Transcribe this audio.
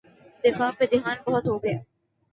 دفاع پہ دھیان بہت ہو گیا۔